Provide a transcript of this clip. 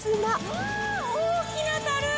うわー、大きなたる。